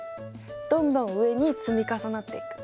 どんどん上に積み重なっていく。